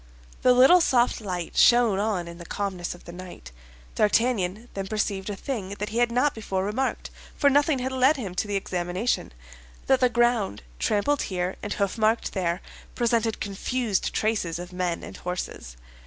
The little soft light shone on in the calmness of the night. D'Artagnan then perceived a thing that he had not before remarked—for nothing had led him to the examination—that the ground, trampled here and hoofmarked there, presented confused traces of men and horses.